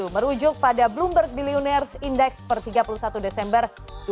merujuk pada bloomberg billionaires index per tiga puluh satu desember dua ribu delapan belas